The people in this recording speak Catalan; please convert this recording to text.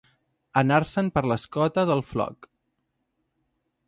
Anar-se'n per l'escota del floc.